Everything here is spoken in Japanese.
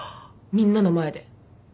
みんなの前で。